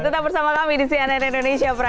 tetap bersama kami di cnn indonesia prime